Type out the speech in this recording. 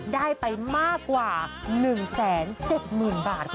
ได้ไปมากกว่า๑๗๐๐๐บาท